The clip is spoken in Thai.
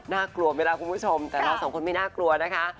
น่ากลัวเมื่อลาคุณผู้ชมแต่เราสองคนไม่น่ากลัวนะคะ